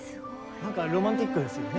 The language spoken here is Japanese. なんかロマンティックですよね。